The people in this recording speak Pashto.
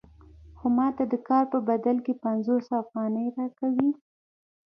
خو ماته د کار په بدل کې پنځوس افغانۍ راکوي